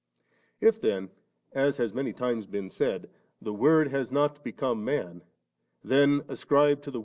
39. If then (as has many times been said) ttie Word has not become man, then ascribe to the W.